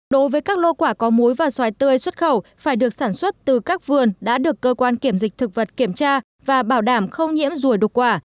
đối với các lô quả có muối và xoài tươi xuất khẩu phải được sản xuất từ các vườn đã được cơ quan kiểm dịch thực vật kiểm tra và bảo đảm không nhiễm ruồi đục quả